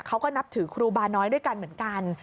เขาก็นับถือครูบาน้อยด้วยกันเหมือนกัน